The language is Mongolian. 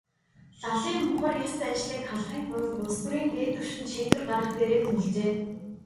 Лалын мухар ес заншлыг халахын тулд улс төрийн дээд түвшинд шийдвэр гаргах дээрээ тулжээ.